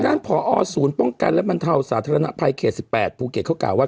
ผอศูนย์ป้องกันและบรรเทาสาธารณภัยเขต๑๘ภูเก็ตเขากล่าวว่า